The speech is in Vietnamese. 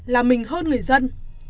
là mình hơn người dân